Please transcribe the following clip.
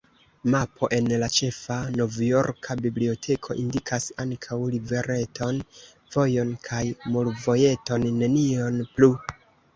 Mapo en la ĉefa novjorka biblioteko indikas ankaŭ rivereton, vojon kaj mulvojeton, nenion plu.